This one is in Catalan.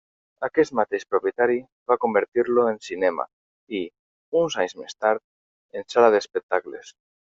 Aquest mateix propietari va convertir-lo en cinema i, uns anys més tard, en sala d'espectacles.